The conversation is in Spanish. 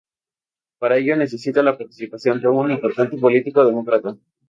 Para ello necesita la participación de un importante político demócrata.